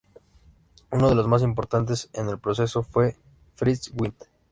Uno de los más importantes en el proceso fue Frits Went.